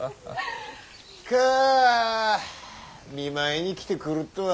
かぁ見舞いに来てくるっとは。